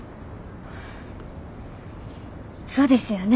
そうですよね。